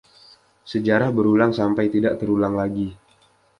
Sejarah berulang sampai tidak terulang lagi.